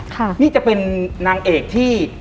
นี่จะเป็นนางเอกที่